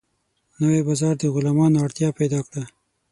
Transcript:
نوی بازار د غلامانو اړتیا پیدا کړه.